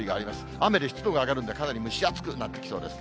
雨で湿度が上がるんで、かなり蒸し暑くなってきそうです。